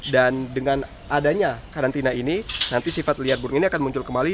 dan dengan adanya karantina ini nanti sifat liar burung ini akan muncul kembali